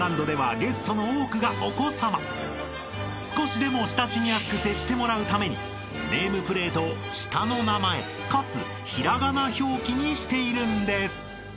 ［少しでも親しみやすく接してもらうためにネームプレートを下の名前かつ平仮名表記にしているんです］